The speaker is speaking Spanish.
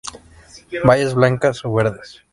Bayas blancas o verdes.